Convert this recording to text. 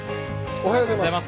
おはようございます。